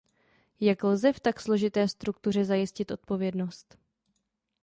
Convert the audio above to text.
Jak lze v tak složité struktuře zajistit odpovědnost?